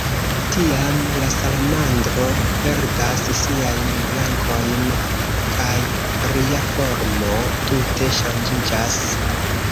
Tiam, la salamandro perdas siajn brankojn, kaj ria formo tute ŝanĝiĝas.